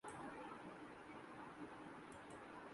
کیوں دادِ غم ہمیں نے طلب کی، بُرا کیا